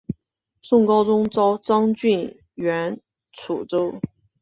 宋高宗诏张俊援楚州。